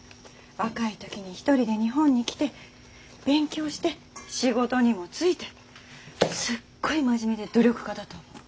若い時に一人で日本に来て勉強して仕事にも就いてすごい真面目で努力家だと思う。